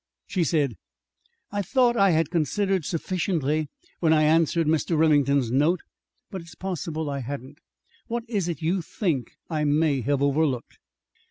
She said: "I thought I had considered sufficiently when I answered Mr. Remington's note. But it's possible I hadn't. What is it you think I may have overlooked?"